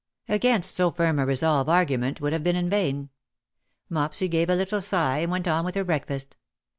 '"* Against so firm a resolve argument would have been vain. Mopsy gave a little sigh, and went on with her breakfast.